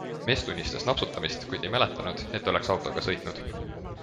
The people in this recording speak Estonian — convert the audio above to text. Mees tunnistas napsutamist, kuid ei mäletanud, et oleks autoga sõitnud.